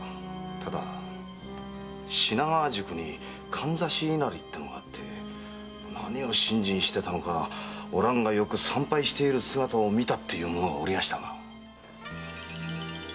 ただ品川宿に“かんざし稲荷”ってのがあって何を信心してたのかお蘭がよく参拝していたそうですが。